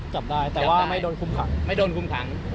จับได้แต่ว่าไม่โดนคุมถัง